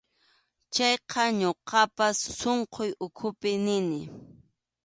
Chayqa ñuqapas sunquy ukhupi nini.